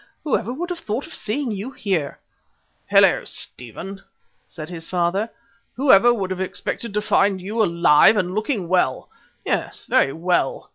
"Whoever would have thought of seeing you here?" "Hullo, Stephen," said his father. "Whoever would have expected to find you alive and looking well yes, very well?